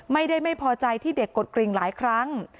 ไม่พอใจที่เด็กกดกริ่งหลายครั้ง